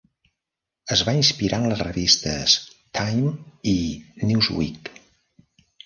Es va inspirar en les revistes "Time" i "Newsweek".